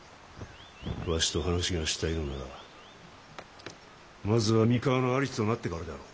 わしと話がしたいのならまずは三河の主となってからであろう。